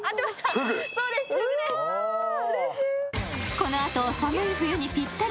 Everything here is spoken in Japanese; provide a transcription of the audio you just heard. このあと寒い冬にぴったり。